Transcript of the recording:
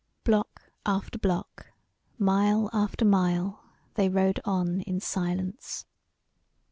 Block after block, mile after mile, they rode on in silence.